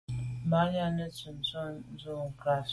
Mbàŋ jɔ̌ŋnə́ túʼdə́ nə̀ lú láʼ ngrāfí.